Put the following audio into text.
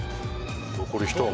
残り１箱。